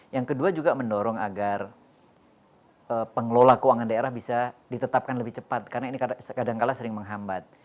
yang kedua juga mendorong agar pengelola keuangan daerah bisa ditetapkan lebih cepat karena ini kadangkala sering menghambat